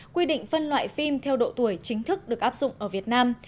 quy định phân loại phim theo độ tuổi chính thức được áp dụng ở việt nam